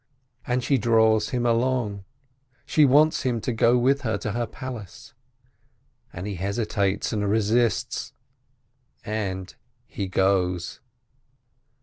And she draws him along, she wants him to go with her to her palace. And he hesitates and resists — and he goes.